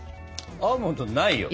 アーモンドないよ？